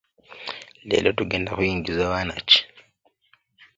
Leero tugenda kuyingiza baana ki?